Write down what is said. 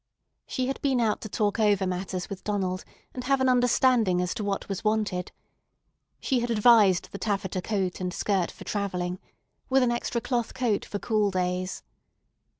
She had been out to talk over matters with Donald and have an understanding as to what was wanted. She had advised the taffeta coat and skirt for travelling, with an extra cloth coat for cool days.